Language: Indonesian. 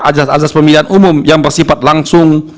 ajas azas pemilihan umum yang bersifat langsung